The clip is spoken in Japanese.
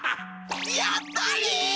やっぱり！